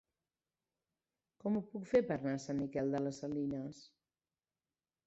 Com ho puc fer per anar a Sant Miquel de les Salines?